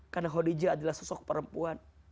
karena khadijah adalah sosok perempuan